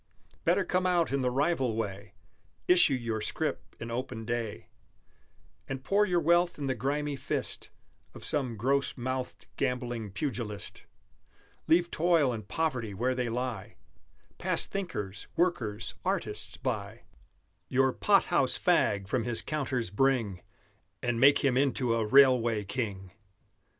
Better come out in the rival way, Issue your scrip in open day, And pour your wealth in the grimy fist Of some gross mouthed, gambling pugilist; Leave toil and poverty where they lie, Pass thinkers, workers, artists, by, Your pot house fag from his counters bring And make him into a Railway King!